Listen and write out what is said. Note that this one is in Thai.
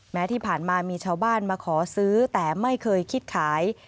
แม้ที่ผ่านมามีชาวบ้านมาขอซื้อแต่ไม่เคยคิดขาย